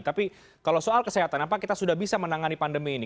tapi kalau soal kesehatan apakah kita sudah bisa menangani pandemi ini